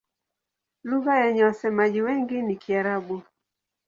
Lugha yenye wasemaji wengi ni Kiarabu.